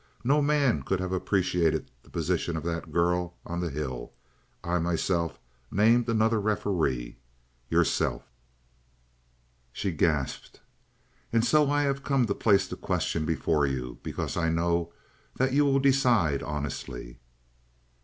No man could have appreciated the position of that girl on the hill. I myself named another referee yourself." She gasped. "And so I have come to place the question before you, because I know that you will decide honestly."